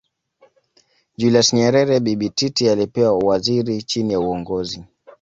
Julius Nyerere Bibi Titi alipewa uwaziri chini ya Uongozi